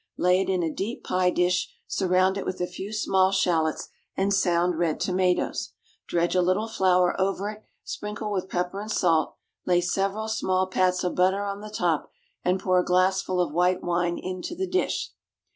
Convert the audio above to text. Lay it in a deep pie dish, surround it with a few small shallots and sound red tomatoes, dredge a little flour over it, sprinkle with pepper and salt, lay several small pats of butter on the top, and pour a glassful of white wine into the dish.